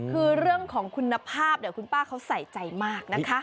คือเรื่องของคุณภาพคุณป้าเขาใส่ใจมากนะคะ